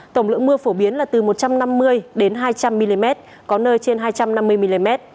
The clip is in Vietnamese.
tổng lượng mưa phổ biến là từ một trăm năm mươi đến hai trăm linh mm có nơi trên hai trăm năm mươi mm